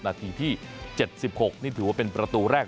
นาทีที่๗๖นี่ถือว่าเป็นประตูแรก